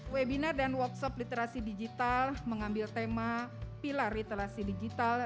webinar dan workshop literasi digital mengambil tema pilar literasi digital